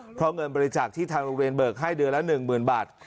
เพราะเงินบริจาคที่ทางโรงเรียนเบิกให้เดือนละ๑๐๐๐บาท